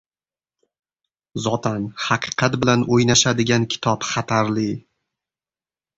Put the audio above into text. Zotan, haqiqat bilan o‘ynashadigan kitob xatarli.